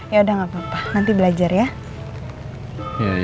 ya udah nggak papa nanti belajar ya